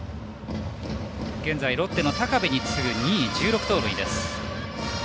現在、ロッテの高部に次ぐ２位の１６盗塁です。